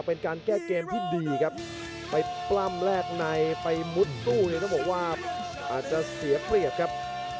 เป็นการแก้เกมที่ดีครับไปปล้ำแรกในไปมุดตู้เนี่ยต้องบอกว่าอาจจะเสียเปรียบครับ